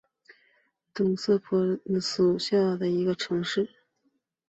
东瑟莫波利斯下属的一座城市。